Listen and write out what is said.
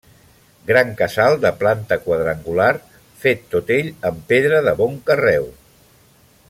Gran casal de planta quadrangular, fet tot ell en pedra de bon carreu.